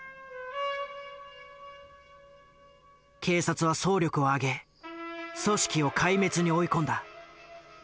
警察は総力を挙げ組織を壊滅に追い込んだ。